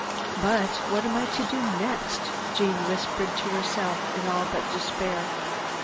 "But what am I to do next?" Jeanne whispered to herself, all but in despair.